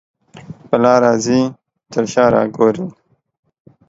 په لاره ځې تر شا را ګورې.